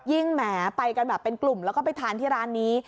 แหมไปกันแบบเป็นกลุ่มแล้วก็ไปทานที่ร้านนี้